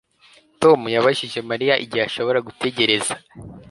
Tom yabajije Mariya igihe ashobora gutegereza